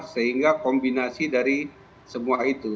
sehingga kombinasi dari semua itu